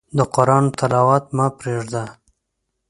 د قرآن تلاوت مه پرېږده.